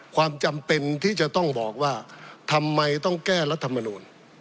ความจำเป็นที่จะต้องบอกว่าทำไมต้องแก้รัฐมนูล